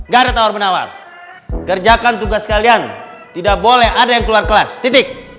karet awal menawar kerjakan tugas kalian tidak boleh ada yang keluar kelas titik untuk juga